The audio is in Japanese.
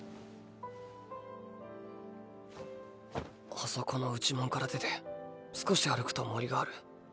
あそこの内門から出て少し歩くと森がある。